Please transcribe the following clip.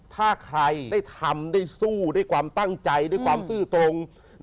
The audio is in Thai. ถ้าใครได้ทำได้สู้ด้วยความตั้งใจด้วยความซื่อตรง